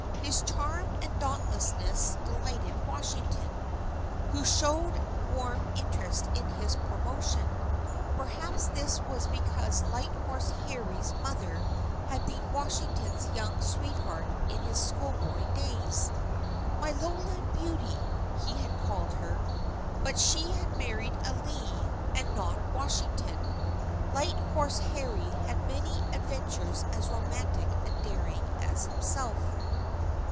His charm and dauntlessness delighted Washington, who showed warm interest in his promotion; perhaps this was because Light Horse Harry's mother had been Washington's young sweetheart in his schoolboy days. "My lowland beauty," he had called her. But she had married a Lee, and not Washington. Light Horse Harry had many adventures as romantic and daring as himself.